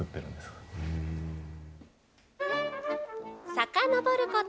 さかのぼること